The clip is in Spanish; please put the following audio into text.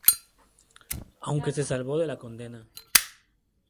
Aunque se salvó de la condena.